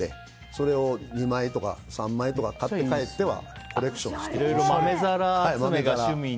それを２枚とか３枚とか買って帰ってはコレクションしてる。